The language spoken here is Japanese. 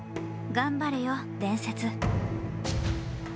頑張れよ、伝説。